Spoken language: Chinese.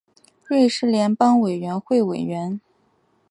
瑞士联邦委员会委员。